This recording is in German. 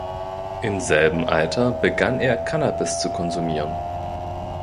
Im selben Alter begann er Cannabis zu konsumieren.